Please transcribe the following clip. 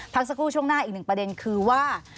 พักสักครู่ช่วงหน้าอีกหนึ่งประเด็นคือว่า